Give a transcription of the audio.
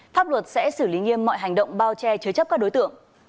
pháp luật sẽ xử lý nghiêm mọi hành động bao che chứa chấp các đối tượng